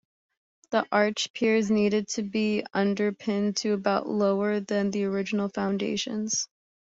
The arch piers needed to be underpinned to about lower than the original foundations.